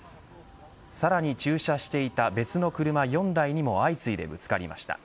さらに駐車していた別の車４台にも相次いでぶつかりました。